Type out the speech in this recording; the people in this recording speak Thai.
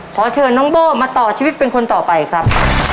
ขอเชิญน้องโบ้มาต่อชีวิตเป็นคนต่อไปครับ